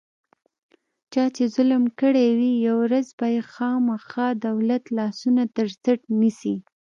چا چې ظلم کړی وي، یوه ورځ به یې خوامخا دولت لاسونه ترڅټ نیسي.